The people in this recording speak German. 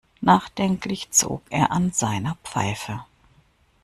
Nachdenklich zog er an seiner Pfeife.